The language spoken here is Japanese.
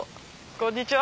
こんにちは。